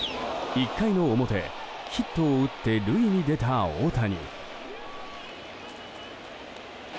１回の表、ヒットを打って塁に出た大谷。